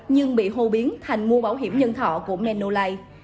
nhưng bị hô biến thành mua bảo hiểm nhân thọ của menolai